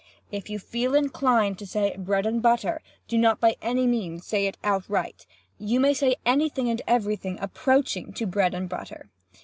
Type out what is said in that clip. If you feel inclined to say 'bread and butter,' do not by any means say it outright. You may say any thing and every thing approaching to 'bread and butter.